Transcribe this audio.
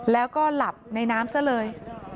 แล้วก็หลับในน้ำซะเลย